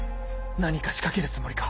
何か仕掛けるつもりか⁉